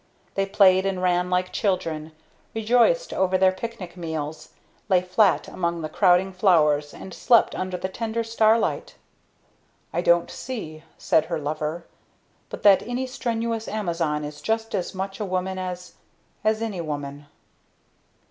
They played and ran like children, rejoiced over their picnic meals; lay flat among the crowding flowers and slept under the tender starlight. "I don't see," said her lover, "but that my strenuous Amazon is just as much a woman as as any woman!"